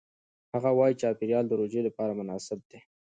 هغه وايي چاپېریال د روژې لپاره مناسب دی.